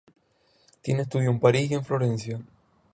Tiene estudio en París y en Florencia.